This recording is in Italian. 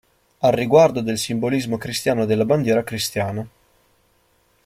Al riguardo del simbolismo cristiano della Bandiera cristiana.